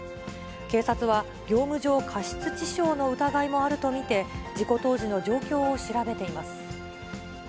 警察は、業務上過失致傷の疑いもあると見て、事故当時の状況を調べています。